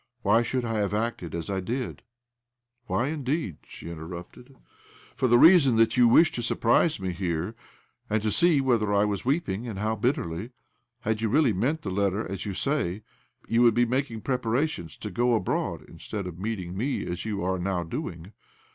Why should I have acted as I did?" "Why, indeed?" she interrupted. "For the reason that you wished to surprise me here, and to see whether I was weeping, and how bitterly. Had you really meant the letter as you say, you would be making preparations to go abroad instead of meeting me as you are now doing.